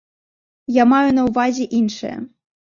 Я маю на ўвазе іншае.